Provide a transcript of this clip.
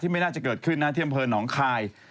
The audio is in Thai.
ที่ไม่น่าจะเกิดขึ้นนะเที่ยมเพลินหนองคาย